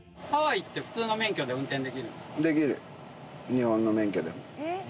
日本の免許でも。